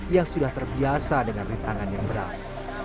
yang sudah terbiasa dengan rintangan yang berat